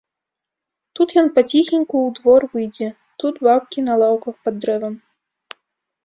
Тут ён паціхеньку ў двор выйдзе, тут бабкі на лаўках пад дрэвам.